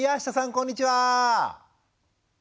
こんにちは。